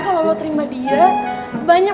kalau lo terima dia